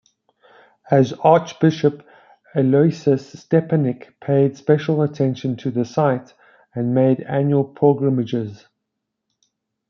As archbishop, Aloysius Stepinac paid special attention to the site and made annual pilgrimages.